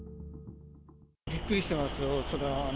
びっくりしてます、それは。